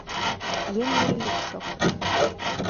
Йыҥгыр йӱк шоктыш.